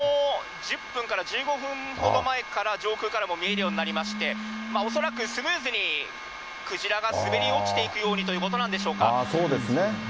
そうですね、これも１０分から１５分ほど前から上空からも見えるようになりまして、恐らく、スムーズにクジラが滑り落ちていくようにというこそうですね。